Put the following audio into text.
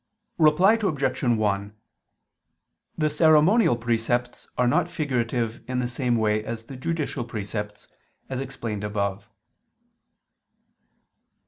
Reply Obj. 1: The ceremonial precepts are not figurative in the same way as the judicial precepts, as explained above.